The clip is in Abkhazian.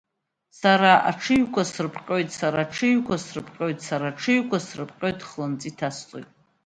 Сара аҽыҩқәа срыԥҟьоит, сара аҽыҩқәа срыԥҟьоит, сара аҽыҩқәа срыԥҟьоит, хланҵы иҭасҵоит!